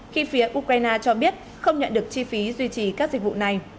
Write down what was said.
khi phía ukraine cho biết không nhận được chi phí duy trì các dịch vụ này